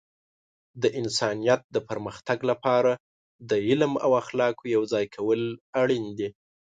د انسانیت د پرمختګ لپاره د علم او اخلاقو یوځای کول اړین دي.